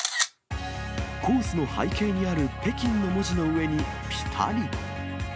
コースの背景にある、北京の文字の上にぴたり。